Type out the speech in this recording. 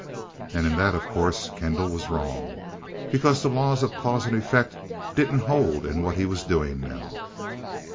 And in that, of course, Kendall was wrong. Because the laws of cause and effect didn't hold in what he was doing now.